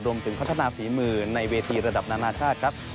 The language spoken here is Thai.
รวมถึงพัฒนาฝีมือในเวทีระดับนานาชาติครับ